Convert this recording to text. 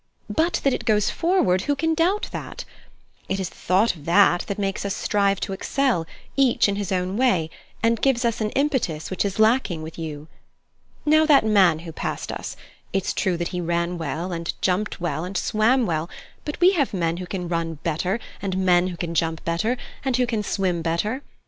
But that it goes forward who can doubt that? It is the thought of that that makes us strive to excel, each in his own way, and gives us an impetus which is lacking with you. Now that man who passed us it's true that he ran well, and jumped well, and swam well; but we have men who can run better, and men who can jump better, and who can swim better.